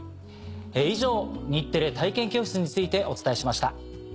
以上「日テレ体験教室」についてお伝えしました。